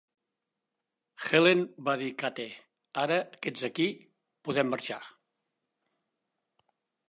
Helen va dir a Kate: Ara que ets aquí, podem marxar.